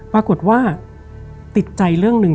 ปรากฏว่าติดใจเรื่องหนึ่ง